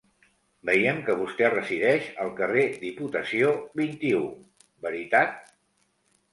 Veiem que vostè resideix al Carrer Diputació, vint-i-u, veritat?